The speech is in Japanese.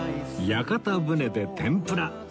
屋形船で天ぷら